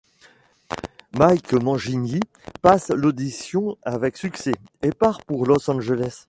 Mike Mangini passe l'audition avec succès, et part pour Los Angeles.